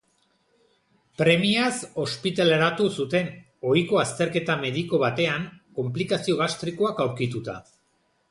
Premiaz ospitaleratu zuten, ohiko azterketa mediko batean konplikazio gastrikoak aurkituta.